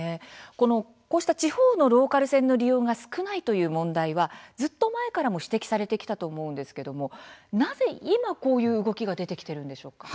地方のローカル線の利用が少ないという問題はずっと前からも指摘されてきたと思うんですけれどもなぜ今こういう動きが出てきているんでしょうか。